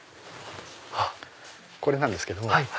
これなんですけども。